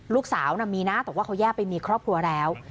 ลูกสาวน่ะมีนะแต่ว่าเขาแยกไปมีครอบครัวแล้ว